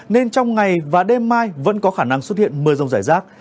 nên trong ngày và đêm mai vẫn có khả năng xuất hiện mưa rông rải rác